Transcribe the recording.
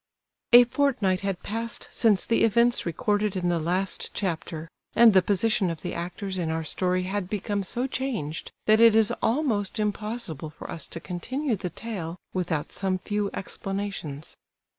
A fortnight had passed since the events recorded in the last chapter, and the position of the actors in our story had become so changed that it is almost impossible for us to continue the tale without some few explanations.